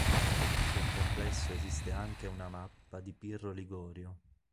Del complesso esiste anche una mappa di Pirro Ligorio.